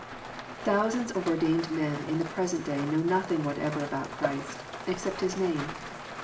Thousands ^f ordained men in the present day know nothing whatever about Christy except His name.